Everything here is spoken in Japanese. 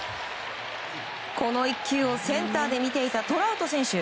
この１球をセンターで見ていたトラウト選手。